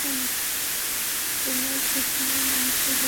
তোমার যেখানে মন চায় সেখানে যাও।